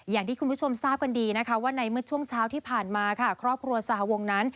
อย่างที่คุณผู้ชมทราบกันดีนะคะว่าในเมื่อช่วงเช้าที่ผ่านมาค่ะครอบครัวสหวงนั้น